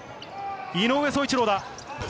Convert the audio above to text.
井上宗一郎だ。